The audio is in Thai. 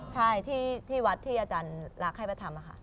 ใช่ที่วัดที่อาจารย์รักให้ไปทำค่ะ